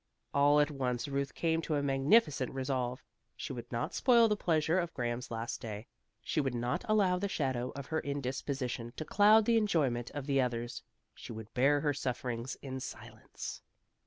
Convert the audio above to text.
All at once Ruth came to a magnificent resolve. She would not spoil the pleasure of Graham's last day. She would not allow the shadow of her indisposition to cloud the enjoyment of the others. She would bear her sufferings in silence.